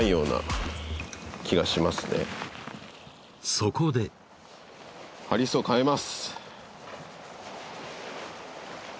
そこでハリスを変えます！